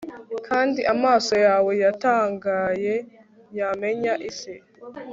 Kandi amaso yawe yatangaye yamenya isi